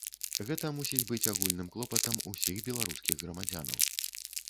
Гэта мусіць быць агульным клопатам усіх беларускіх грамадзянаў.